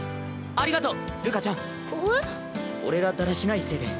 ありがとう。